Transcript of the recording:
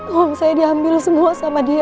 om saya diambil semua sama dia